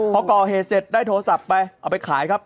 พอก่อเหตุเสร็จได้โทรศัพท์ไปเอาไปขายครับ